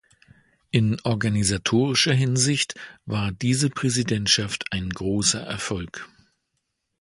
In organisatorischer Hinsicht war diese Präsidentschaft ein großer Erfolg.